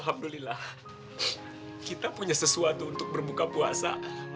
alhamdulillah kita punya sesuatu untuk berbuka puasa